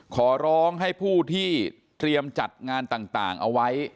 ขอร้องให้ผู้ที่เตรียมจัดงานต่างเอาไว้